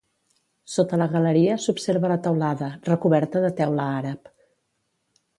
Sota la galeria s'observa la teulada, recoberta de teula àrab.